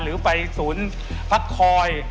หรือไปศูนย์พักคอย